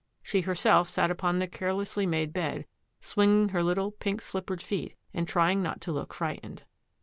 She herself sat upon the carelessly made bed, swinging her little pink slippered feet and trying not to look frightened.